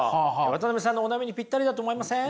渡辺さんのお悩みにぴったりだと思いません？